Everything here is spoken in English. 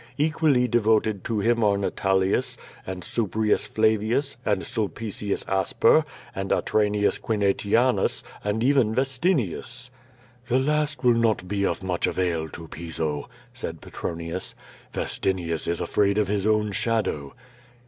Equally devoted to him are Natalius, and Subrius Flavins, and Sulpieius Asper, and Atranius Quinetianus, and even Vestinius." "The last will not be of much avail to Piso," said Petro nius. ^^estinius is afraid of his own shadow."